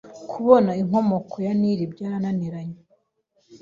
kubona inkomoko ya Nili byarananiranye